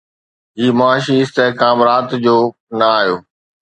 هي معاشي استحڪام رات جو نه آيو